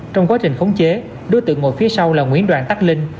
trong quá trình khống chế đối tượng ngồi phía sau là nguyễn đoàn tát linh